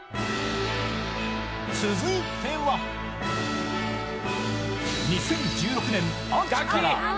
続いては、２０１６年秋。